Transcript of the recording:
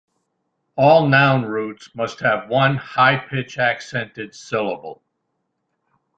All noun roots must have one high-pitch accented syllable.